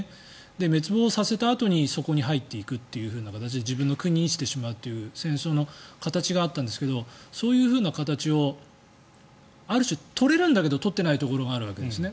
滅亡させたあとにそこに入っていくという形で自分の国にしてしまうという戦争の形があったんですがそういう形をある種、取れるんだけど取っていないところがあるわけですね。